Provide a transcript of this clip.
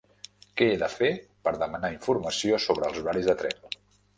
Què he de fer per demanar informació sobre els horaris de tren?